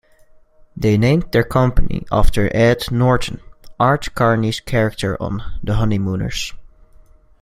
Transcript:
They named their company after Ed Norton, Art Carney's character on The Honeymooners.